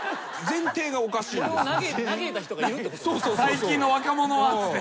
「最近の若者は」っつって。